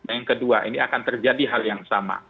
yang kedua ini akan terjadi hal yang sama